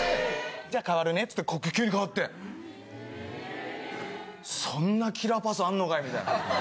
じゃあ代わるねって急に代わってそんなキラーパスあんのかいみたいな。